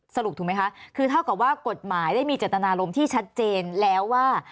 สรุปถูกไหมคะคือเท่ากับว่ากฎหมายได้มีเจตนารมณ์ที่ชัดเจนแล้วว่า